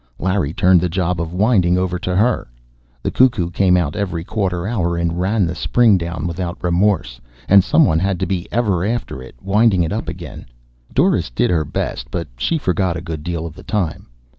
Larry turned the job of winding over to her; the cuckoo came out every quarter hour and ran the spring down without remorse, and someone had to be ever after it, winding it up again. Doris did her best, but she forgot a good deal of the time.